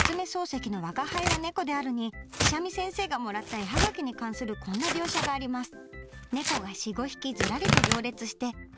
漱石の「吾輩は猫である」に苦沙弥先生がもらった絵葉書に関するこんな描写があります。